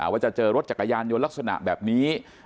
ว่าจะเจอรถจักรยานยนต์ลักษณะแบบนี้